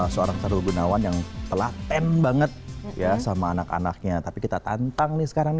seorang sarul gunawan yang telaten banget ya sama anak anaknya tapi kita tantang nih sekarang